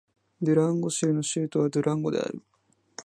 ドゥランゴ州の州都はドゥランゴである